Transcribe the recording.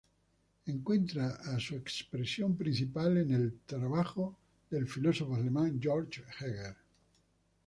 Encuentra su expresión principal en el trabajo del filósofo alemán Georg Hegel.